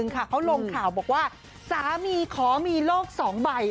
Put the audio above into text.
เขาลงข่าวบอกว่าสามีขอมีโลก๒ใบ